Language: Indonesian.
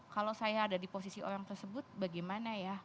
kalau saya ada di posisi orang tersebut bagaimana ya